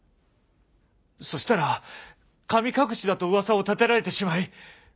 そしたら神隠しだとうわさを立てられてしまい。